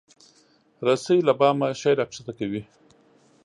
رسۍ له بامه شی راکښته کوي.